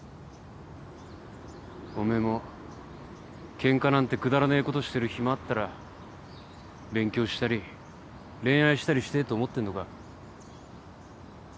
おめえもケンカなんてくだらねえことしてる暇あったら勉強したり恋愛したりしてえと思ってんのかよ。